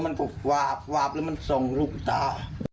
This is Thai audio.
มันก็วาบวาบแล้วมันส่งลูกตา